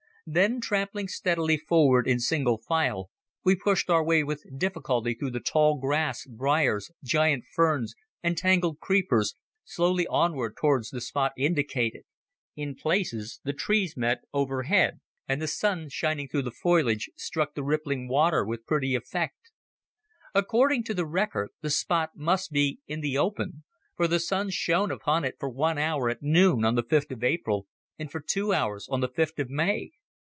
Then, tramping steadily forward in single file we pushed our way with difficulty through the tall grass, briars, giant ferns and tangled creepers, slowly onward towards the spot indicated. In places the trees met overhead, and the sun shining through the foliage struck the rippling water with pretty effect. According to the record the spot must be in the open, for the sun shone upon it for one hour at noon on the fifth of April and for two hours on the fifth of May.